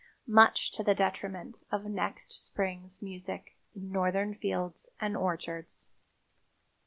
much to the detriment of next spring's music in Northern fields and orchards.